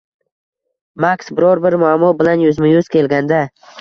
Mask biror-bir muammo bilan yuzma-yuz kelganda